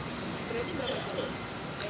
berarti berapa itu